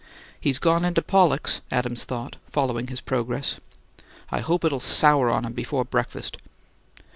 "He's gone into Pollocks'," Adams thought, following this progress. "I hope it'll sour on 'em before breakfast.